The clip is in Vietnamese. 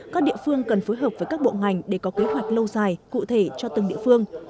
các địa phương cần phối hợp với các bộ ngành để có kế hoạch lâu dài cụ thể cho từng địa phương